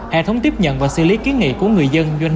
hệ thống tiếp nhận và xử lý ký nghị của người